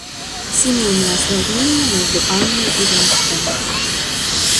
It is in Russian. Семейные осложнения между Анной и Вронским.